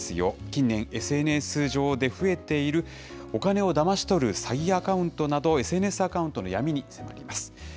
近年、ＳＮＳ上で増えている、お金をだまし取る詐欺アカウントなど、ＳＮＳアカウントの闇に迫ります。